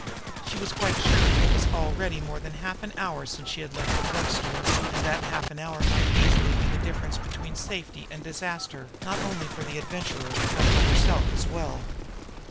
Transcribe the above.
She was quite sure that it was already more than half an hour since she had left the drug store; and that half an hour might easily mean the difference between safety and disaster, not only for the Adventurer, but for herself as well.